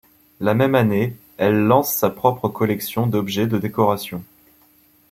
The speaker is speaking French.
La même année, elle lance sa propre collection d'objets de décoration.